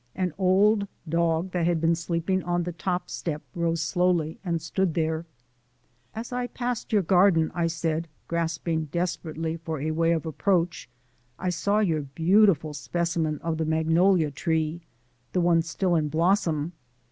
An old dog that had been sleeping on the top step rose slowly and stood there. "As I passed your garden," I said, grasping desperately for a way of approach, "I saw your beautiful specimen of the magnolia tree the one still in blossom.